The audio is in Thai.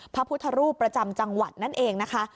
พระพุทธรูปประจำจังหวัดนั่นเองนะคะ